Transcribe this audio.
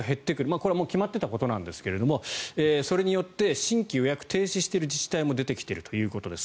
これは決まっていたことなんですがそれによって、新規予約を停止している自治体も出てきているということです。